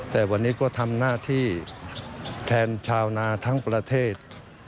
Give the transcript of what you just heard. แต่วันนี้ก็ทำหน้าที่แทนชาวนาทั้งประเทศ